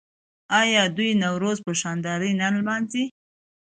آیا دوی نوروز په شاندارۍ نه لمانځي؟